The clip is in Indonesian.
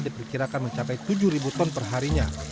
diperkirakan mencapai tujuh ton perharinya